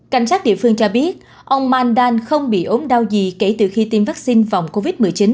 cảnh sát địa phương cho biết ông mandan không bị ốm đau gì kể từ khi tiêm vaccine phòng covid một mươi chín